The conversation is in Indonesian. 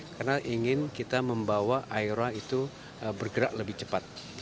karena ingin kita membawa iora itu bergerak lebih cepat